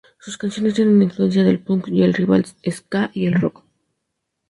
Sus canciones tienen influencia del punk, el revival ska y el rock.